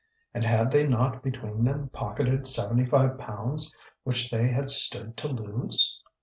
And had they not between them pocketed seventy five pounds which they had stood to lose?